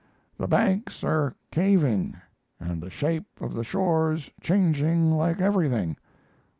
The banks are caving and the shape of the shores changing like everything.